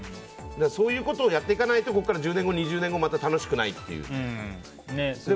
そういうことをやっていかないとここから１０年後、２０年後楽しくないっていう。